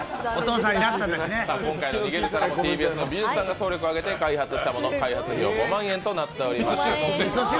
今回は逃げる皿はＴＢＳの美術さんが総力を挙げて開発したもの、開発費用５万円となっています。